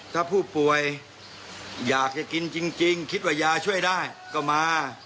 ถ้าผู้ป่วยอยากจะกินจริงคิดว่ายาช่วยได้ก็มา